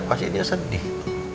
pasti dia sedih